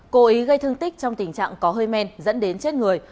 cố ý gây thương tích trong tình trạng có hơi men dẫn đến chết người